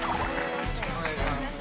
お願いします。